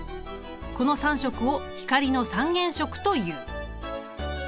この３色を光の三原色という。